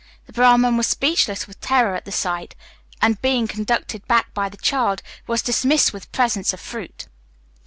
The Brahman was speechless with terror at the sight, and, being conducted back by the child, was dismissed with presents of fruits."